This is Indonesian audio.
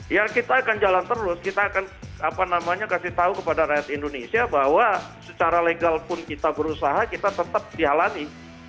ya kita akan jalan terus kita akan kasih tahu kepada rakyat indonesia bahwa secara legal pun kita berusaha kita tetap dihalangi